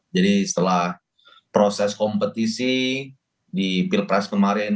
jadi setelah proses kompetisi di pilpres kemarin